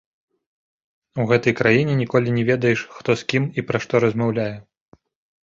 У гэтай краіне ніколі не ведаеш, хто, з кім і пра што размаўляе.